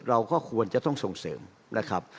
เราก็ควรจะต้องส่งเสริมนะครับ